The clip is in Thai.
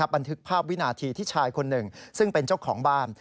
บันทึกภาพวินาทีที่ชายคนหนึ่งซึ่งเป็นเจ้าของบ้าน